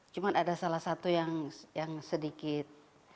cuma ada salah satu yang sedikit